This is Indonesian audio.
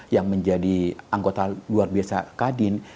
yang menjadi anggota luar biasa kadin